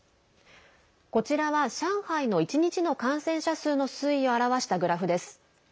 こちらは、上海の１日の感染者数の推移を表したグラフです。